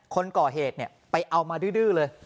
คนก่อเหตุเนี้ยไปเอามาดื้อดื้อเลย